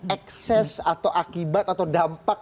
ekses atau akibat atau dampak